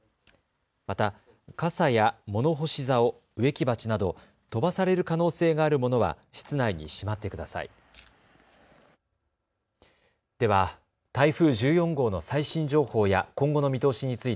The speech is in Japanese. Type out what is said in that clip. また傘や物干しざお、植木鉢など飛ばされる可能性があるものは室内にしまってください。